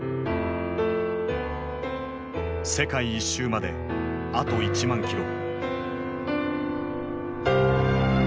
世界一周まであと１万キロ。